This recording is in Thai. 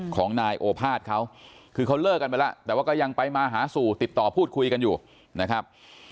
ของนายโอภาษย์เขาคือเขาเลิกกันไปแล้วแต่ว่าก็ยังไปมาหาสู่ติดต่อพูดคุยกันอยู่นะครับ